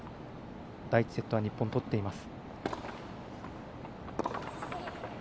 第１セットは日本、取っています。